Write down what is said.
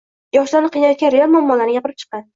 yoshlarni qiynayotgan real muammolarni gapirib chiqqan